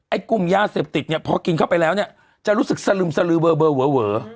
กลุ่มยาเสพติดเนี่ยพอกินเข้าไปแล้วเนี่ยจะรู้สึกสลึมสลือเวอ